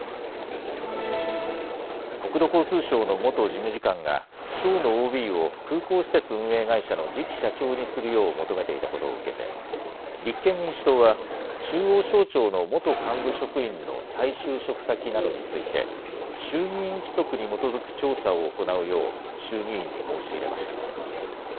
国土交通省の元事務次官が省のＯＢを空港施設運営会社の次期社長にするよう求めていたことを受けて立憲民主党は中央省庁の元幹部職員の再就職先などについて衆議院規則に基づく調査を行うよう衆議院に申し入れました。